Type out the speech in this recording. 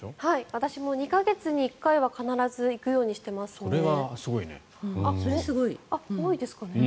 私も２か月に１回は必ず行くようにしてますね。